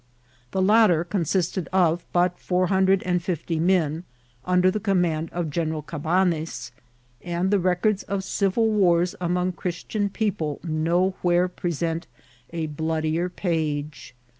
The latter consisted of but four hundred and fiftjr men, under the command of General Cabanes^ and the records of civil wars among Christian people nowhere (Hresent a bloodier page.